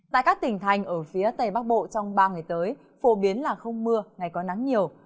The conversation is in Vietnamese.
tại các tỉnh thành ở phía tây bắc bộ trong ba ngày tới phổ biến là không mưa ngày có nắng nhiều